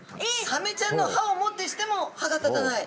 サメちゃんの歯をもってしても歯が立たない。